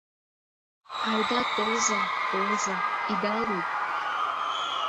— Айда толза, толза, ида лӱд!